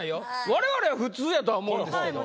我々は普通やとは思うんですけど。